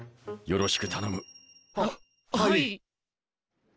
よろしく頼む！ははい。